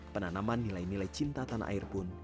penanaman nilai nilai cinta tanah air pun